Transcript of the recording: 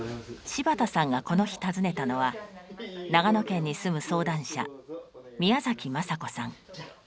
柴田さんがこの日訪ねたのは長野県に住む相談者宮崎政子さん。